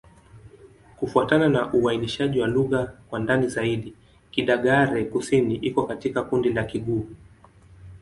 Kufuatana na uainishaji wa lugha kwa ndani zaidi, Kidagaare-Kusini iko katika kundi la Kigur.